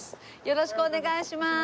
よろしくお願いします。